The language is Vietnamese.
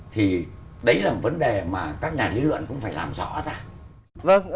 thì đấy là một vấn đề mà các nhà lý luận cũng phải làm rõ ra